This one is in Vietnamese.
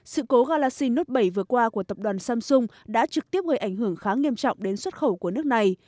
sự cố galaxin nuốt bảy vừa qua của tập đoàn samsung đã trực tiếp gây ảnh hưởng khá nghiêm trọng đến xuất khẩu của nước này